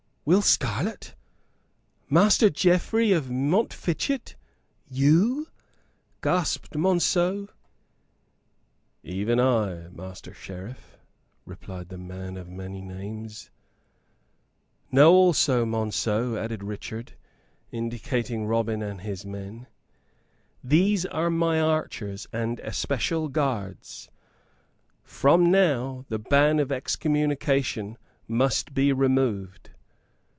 "Will Scarlett Master Geoffrey of Montfichet you?" gasped Monceux. "Even I, Master Sheriff," replied the man of many names. "Know also, Monceux," added Richard, indicating Robin and his men, "these are my archers and especial guards. From now the ban of excommunication must be removed."